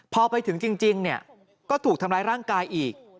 พอไปถึงจริงก็ถูกทำร้ายร่างกายอีก